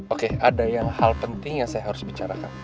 oke ada yang hal penting yang saya harus bicarakan